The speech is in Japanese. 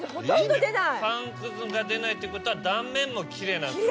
パン屑が出ないっていうことは断面もきれいなんですよ。